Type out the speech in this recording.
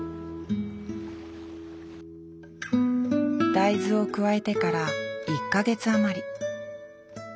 大豆を加えてから１か月余り。